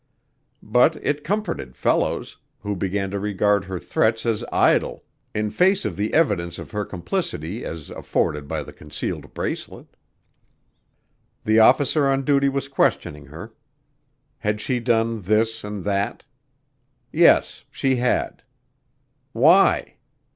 But it comforted Fellows, who began to regard her threats as idle in face of the evidence of her complicity as afforded by the concealed bracelet. The officer on duty was questioning her. Had she done this and that? Yes, she had. Why?